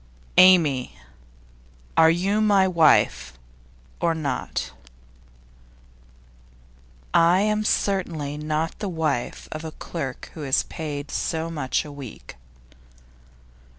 'Amy, are you my wife, or not?' 'I am certainly not the wife of a clerk who is paid so much a week.